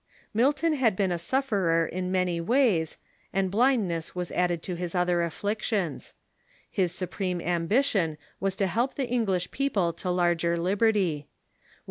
Milton had been a sufferer in many ways, and blindness was added to his other afflictions. His supreme ambition was to help the English people to larger liberty.